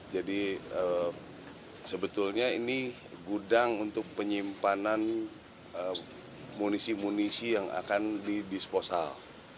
jadi sebetulnya ini gudang untuk penyimpanan munisi munisi yang akan didisposal